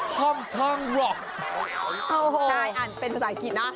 คำทั้งร็อกโอ้โหใช่อ่านเป็นภาษาอังกฤษนะ